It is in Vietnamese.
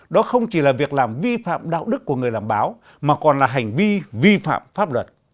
đó không chỉ là việc làm vi phạm đạo đức của người làm báo mà còn là hành vi vi phạm pháp luật